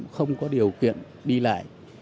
không có điều kiện đi lại